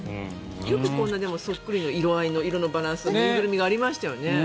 よく、こんなそっくりの色合いな色のバランスの縫いぐるみがありましたよね。